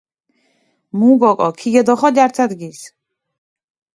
მუ გოკო ქიგედოხოდ ართ ადგილს